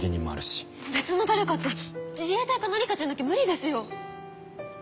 別の誰かって自衛隊か何かじゃなきゃ無理ですよ。